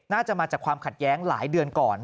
น่าจะมาจากความขัดแย้งหลายเดือนก่อน